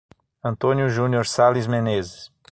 Antônio Junior Sales Menezes